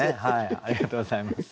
ありがとうございます。